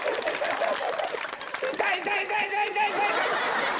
痛い痛い痛い痛い！